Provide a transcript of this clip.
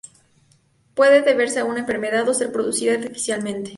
Puede deberse a una enfermedad, o ser producida artificialmente.